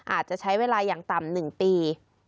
อาจจะใช้เวลาอย่างต่ำ๑ปี